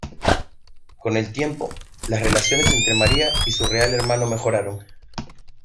Con el tiempo, las relaciones entre María y su real hermano mejoraron.